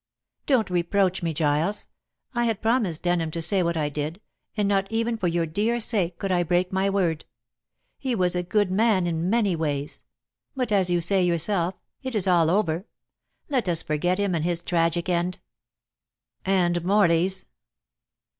"Don't reproach me, Giles. I had promised Denham to say what I did; and not even for your dear sake could I break my word. He was a good man in many ways; but, as you say yourself, it is all over. Let us forget him and his tragic end." "And Morley's."